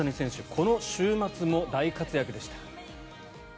この週末も大活躍でした。